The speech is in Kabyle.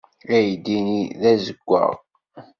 Aydi-nni d azewwaɣ.